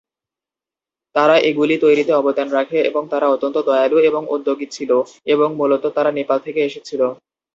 তারা এগুলি তৈরিতে অবদান রাখে এবং তারা অত্যন্ত দয়ালু এবং উদ্যোগী ছিল এবং মূলত তারা নেপাল থেকে এসেছিল।